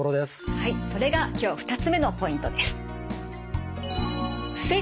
はいそれが今日２つ目のポイントです。